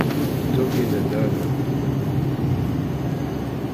Tom yenna-d ala.